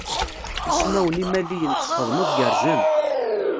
Ismawen Imaliyen tesxedmeḍ gerrzen.